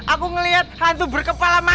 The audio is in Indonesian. aku ngeliat hantu berkepala mano pak